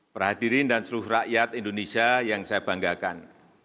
perhadirin dan seluruh rakyat indonesia yang saya banggakan